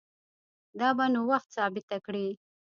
دا به نو وخت ثابته کړي